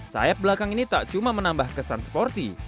sayap belakang ini tak cuma menambah kesan sporty